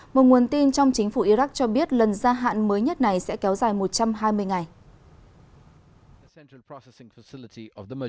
một nguồn tin trong chính phủ iraq cho biết lần gia hạn mới nhất này sẽ kéo dài một trăm hai mươi ngày